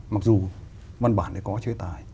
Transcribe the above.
mặc dù văn bản này có chế tài